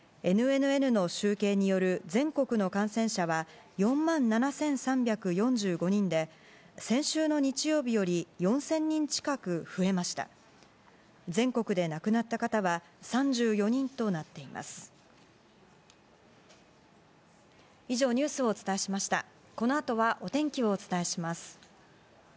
ＮＮＮの集計による全国の感染者は４万７３４５人で先週の日曜日より４０００人近く増えました。